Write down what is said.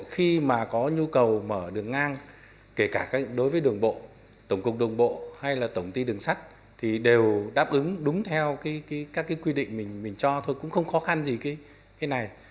khi mà có nhu cầu mở đường ngang kể cả đối với đường bộ tổng cục đường bộ hay là tổng ti đường sắt thì đều đáp ứng đúng theo các quy định mình cho thôi cũng không khó khăn gì cái này